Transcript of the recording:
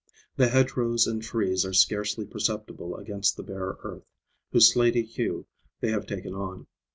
The hedgerows and trees are scarcely perceptible against the bare earth, whose slaty hue they have taken on.